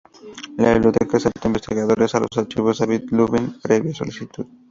La biblioteca acepta investigadores a los Archivos David Lubin, previa solicitud.